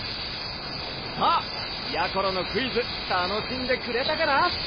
さあやころのクイズたのしんでくれたかな？